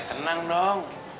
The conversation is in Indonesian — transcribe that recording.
eh tenang dong